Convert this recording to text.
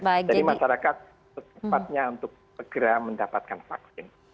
jadi masyarakat secepatnya untuk segera mendapatkan vaksin